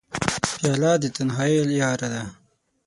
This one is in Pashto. پیاله د تنهایۍ یاره ده.